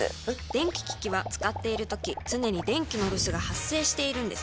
電気機器は使っているとき常に電気のロスが発生しているのです。